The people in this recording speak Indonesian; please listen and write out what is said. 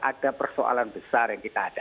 ada persoalan besar yang kita hadapi